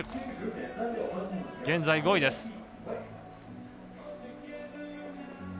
現在５位です。